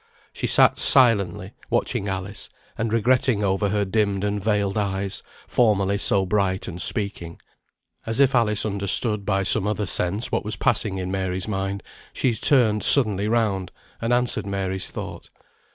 She sat silently watching Alice, and regretting over her dimmed and veiled eyes, formerly so bright and speaking; as if Alice understood by some other sense what was passing in Mary's mind, she turned suddenly round, and answered Mary's thought.